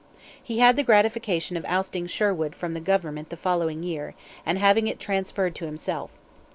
He had the gratification of ousting Sherwood from the government the following year, and having it transferred to himself.